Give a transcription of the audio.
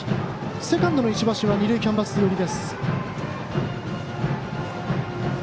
セカンドの石橋は二塁キャンバス寄り。